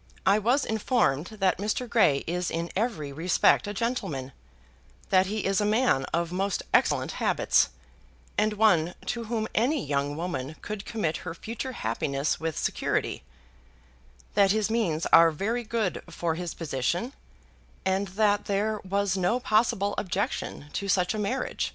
] I was informed that Mr. Grey is in every respect a gentleman, that he is a man of most excellent habits, and one to whom any young woman could commit her future happiness with security, that his means are very good for his position, and that there was no possible objection to such a marriage.